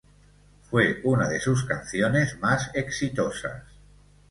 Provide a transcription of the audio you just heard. Fue una de sus canciones más exitosas.